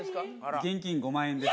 現金５万円です。